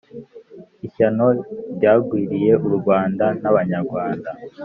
Ishyano ryagwiriye u Rwanda n'Abanyarwanda